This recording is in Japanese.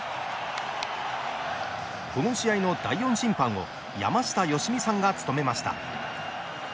この試合の第４審判を山下良美さんが務めました。